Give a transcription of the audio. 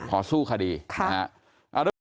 ขอสู้คดีค่ะเอาด้วยกันนะครับคุณนายดาว